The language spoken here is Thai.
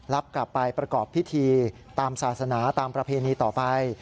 รับกลับไปประกอบพิธีตามศาสนาตามประเพณีต่อไป